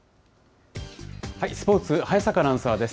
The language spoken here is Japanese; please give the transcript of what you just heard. スポーツ、早坂アナウンサーです。